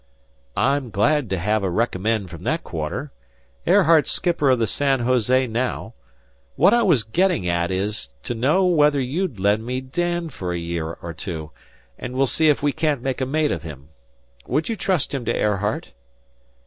"I'm glad to have a recommend from that quarter. Airheart's skipper of the San Jose now. What I was getting at is to know whether you'd lend me Dan for a year or two, and we'll see if we can't make a mate of him. Would you trust him to Airheart?"